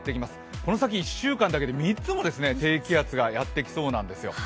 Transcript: この先１週間だけで３つも低気圧がやってきそうなんですよ。